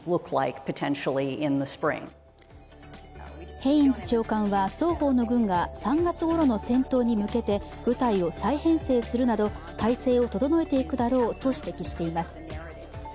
ヘインズ長官は、双方の軍が３月ごろの戦闘に向けて部隊を再編成するなど体制を整えていくだろうと指摘しています。